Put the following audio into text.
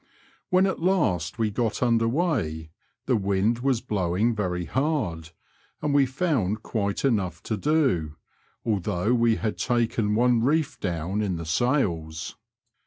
When at last we got under weigh the wind was blowing very hard, and we found quite enough to do, although we had taken one reef down in the sails.